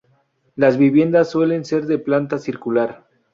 Las viviendas suelen ser de planta circular.